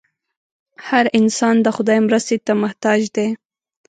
هر انسان د خدای مرستې ته محتاج دی.